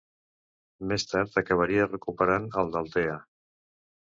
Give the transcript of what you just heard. Més tard acabaria recuperant el d'Altea.